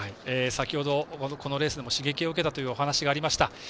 先ほど、このレースでも刺激を受けたという話がありました。